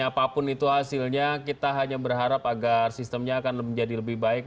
apapun itu hasilnya kita hanya berharap agar sistemnya akan menjadi lebih baik